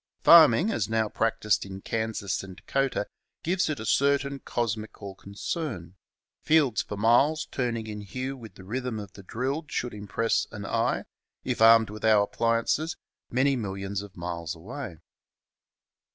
Farming as now practiced in Kansas or Dakota gives it a certain cos mical concern ; fields for miles turning in hue with the rhythm of the drilled should impress an eye, if armed with our appliances, many millions of miles away.